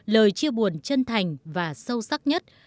lời chia buồn chân thành và sâu sắc nhất